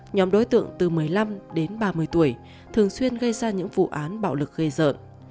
nhóm đối tượng từ một mươi năm đến ba mươi tuổi thường xuyên gây ra những vụ án bạo lực gây dợ